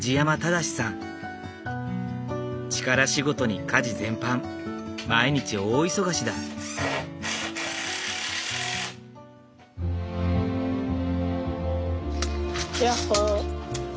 力仕事に家事全般毎日大忙しだ。ヤッホー！